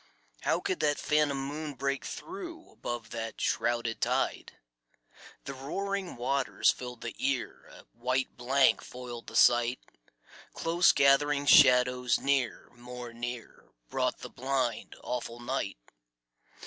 How could that phantom moon break through, Above that shrouded tide? The roaring waters filled the ear, A white blank foiled the sight. Close gathering shadows near, more near, Brought the blind, awful night.